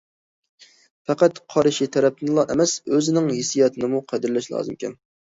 پەقەت قارشى تەرەپنىلا ئەمەس، ئۆزىنىڭ ھېسسىياتىنىمۇ قەدىرلەش لازىمكەن.